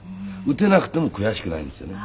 打てなくても悔しくないんですよね。